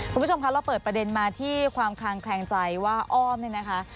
คุณผู้ชมคะเราเปิดประเด็นมาที่ความคลางแคลงใจว่าอ้อมเนี่ยนะคะ